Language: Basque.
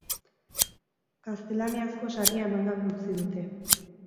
Gaztelaniazko saria eman gabe utzi dute.